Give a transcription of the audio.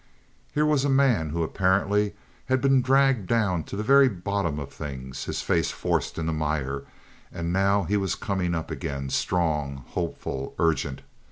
Here was a man who apparently had been dragged down to the very bottom of things, his face forced in the mire, and now he was coming up again strong, hopeful, urgent.